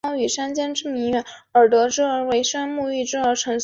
宫坂是东京都世田谷区的町名。